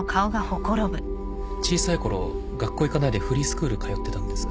小さい頃学校行かないでフリースクール通ってたんです。